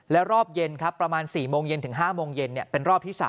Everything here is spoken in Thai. แล้วรอบเย็นประมาณ๔๕โมงเย็นเป็นรอบที่๓